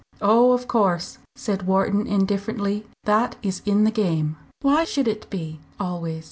"Oh! of course," said Wharton, indifferently. "That is in the game." "Why should it be always?